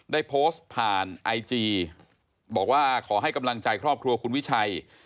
ได้โพสต์ผ่านไอจีบอกว่าขอให้กำลังใจครอบครัวคุณวิชัย